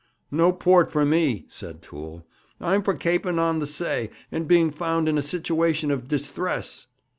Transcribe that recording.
'No port for me!' said Toole. 'I'm for kaping on the say, and being found in a situation of disthress.'